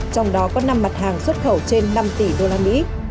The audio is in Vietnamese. trong đó có năm mặt hàng xuất khẩu trên năm tỷ usd